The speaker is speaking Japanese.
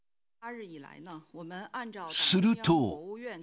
すると。